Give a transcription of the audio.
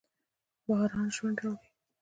باران ژوند راوړي.